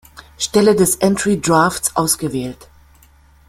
Stelle des Entry Drafts ausgewählt.